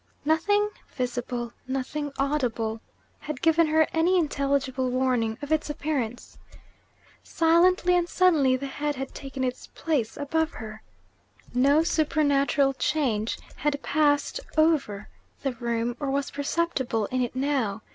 Nothing visible, nothing audible, had given her any intelligible warning of its appearance. Silently and suddenly, the head had taken its place above her. No supernatural change had passed over the room, or was perceptible in it now.